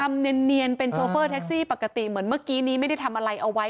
ทำเนียนเป็นโชเฟอร์แท็กซี่ปกติเหมือนเมื่อกี้นี้ไม่ได้ทำอะไรเอาไว้